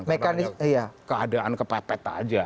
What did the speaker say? karena ada keadaan kepepet aja